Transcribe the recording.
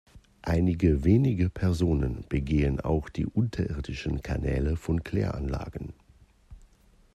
Einige wenige Personen begehen auch die unterirdischen Kanäle von Kläranlagen.